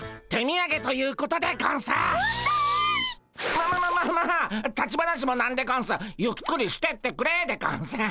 ままままあまあ立ち話もなんでゴンスゆっくりしてってくれでゴンス。